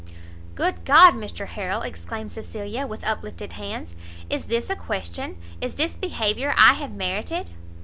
"Good God, Mr Harrel!" exclaimed Cecilia, with uplifted hands, "is this a question, is this behaviour I have merited!"